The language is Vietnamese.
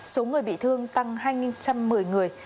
số người bị thương tăng hai trăm một mươi người